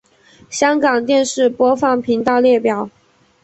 香港电视播放频道列表